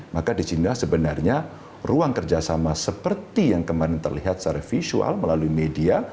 maka disinilah sebenarnya ruang kerjasama seperti yang kemarin terlihat secara visual melalui media